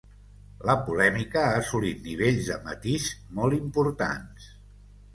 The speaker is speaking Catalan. La polèmica ha assolit nivells de matís molt importants.